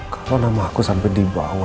kalo nama aku sampe dibawa